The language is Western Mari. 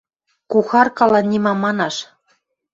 Кухаркалан нимам манаш.